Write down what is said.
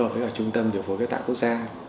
phối hợp với trung tâm điều phối ghép tạng quốc gia